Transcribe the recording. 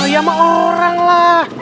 ya sama orang lah